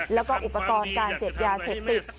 แล้วก็อุปกรณ์การเสพยาเสพติด